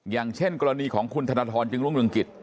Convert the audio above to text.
อย่างเช่นกรณีของคุณธนทรจึงรุ่งเรืองกิจ